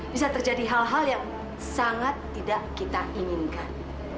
bisa terjadi hal hal yang sangat tidak kita inginkan